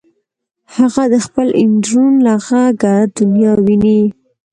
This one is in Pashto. هغه د خپل اندرون له غږه دنیا ویني